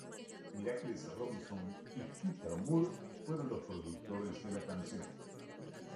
Miracles Robinson y Pete Moore fueron los productores de la canción.